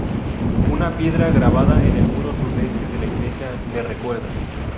Una piedra grabada en el muro sudeste de la iglesia le recuerda.